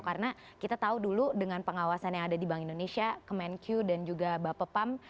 karena kita tahu dulu dengan pengawasan yang ada di bank indonesia kemenq dan juga bapepam